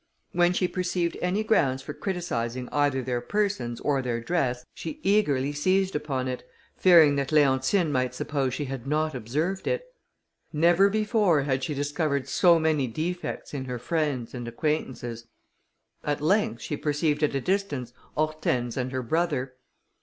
When she perceived any grounds for criticising either their persons or their dress, she eagerly seized upon it, fearing that Leontine might suppose she had not observed it. Never before had she discovered so many defects in her friends and acquaintances. At length she perceived at a distance Hortense and her brother.